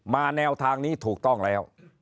แนวทางนี้ถูกต้องแล้ว